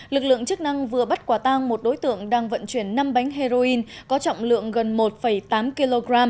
lực lượng chức năng vừa bắt quả tang một đối tượng đang vận chuyển năm bánh heroin có trọng lượng gần một tám kg